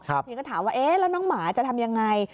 ทีนี้ก็ถามว่าเอ๊ะแล้วน้องหมาจะทำยังไง